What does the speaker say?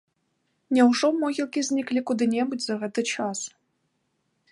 Няўжо могілкі зніклі куды-небудзь за гэты час?